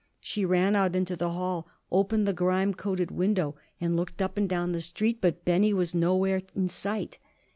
She ran out into the hall, opened the grime coated window, and looked up and down the street; but Benny was nowhere in sight.